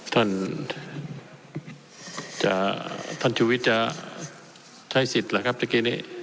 ท่านท่านชุวิตจะใช้สิทธิ์หรือครับเมื่อกี้นี้